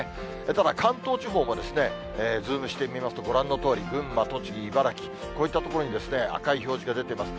ただ、関東地方も、ズームしてみますと、ご覧のとおり、群馬、栃木、茨城、こういった所に赤い表示が出てます。